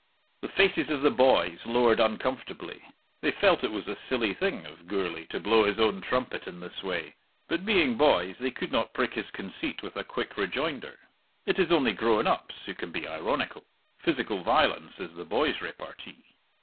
The faces of the boys lowered uncomfortably. They felt it was a silly thing of Gourlay to blow his own trumpet in this way, but, being boys, they could not prick his conceit with a quick rejoinder. It is only grown ups who can be ironical; physical violence is the boy's repartee.